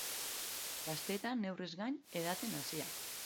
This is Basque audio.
Gaztetan neurriz gain edaten hasia.